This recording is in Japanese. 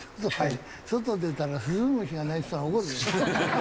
外出たらスズムシが鳴いてたら怒るよ。